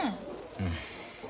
うん。